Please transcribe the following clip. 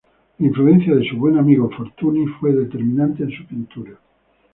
La influencia de su buen amigo Fortuny fue determinante en su pintura.